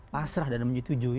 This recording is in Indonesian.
pasrah dan menyetujui